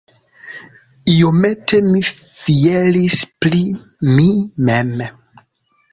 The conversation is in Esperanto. Iomete mi fieris pri mi mem!